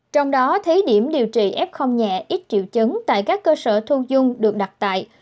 trong đó thấy điểm điều trị f nhẹ ít triệu chứng tại các cơ sở thuôn dung được đặt tại